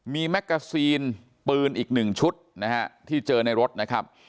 มีแมกกาซีนปืนอีกหนึ่งชุดนะฮะที่เจอในรถนะครับ